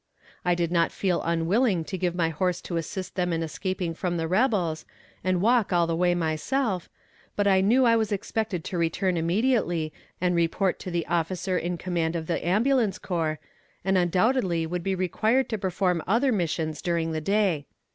I did not feel unwilling to give my horse to assist them in escaping from the rebels, and walk all the way myself, but I knew I was expected to return immediately and report to the officer in command of the ambulance corps, and undoubtedly would be required to perform other missions during the day.